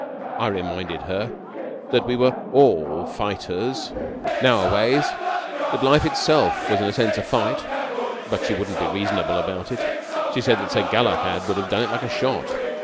I reminded her that we were all fighters now a days, that life itself was in a sense a fight: but she wouldn't be reasonable about it. She said that Sir Galahad would have done it like a shot.